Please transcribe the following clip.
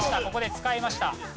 ここで使いました。